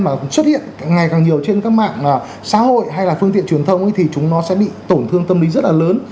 mà xuất hiện ngày càng nhiều trên các mạng xã hội hay là phương tiện truyền thông thì chúng nó sẽ bị tổn thương tâm lý rất là lớn